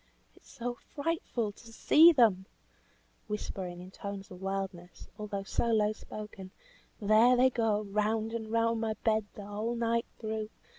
"It is so frightful to see them," whispering in tones of wildness, although so low spoken. "There they go round and round my bed the whole night through.